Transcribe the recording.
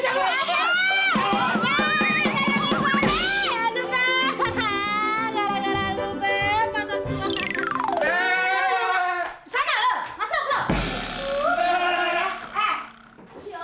udah bapak sih lu